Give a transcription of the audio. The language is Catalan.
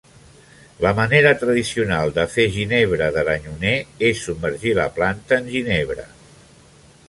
La manera tradicional de fer ginebra d'aranyoner és submergir la planta en ginebra.